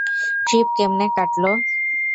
Trip কেমন কাটলো?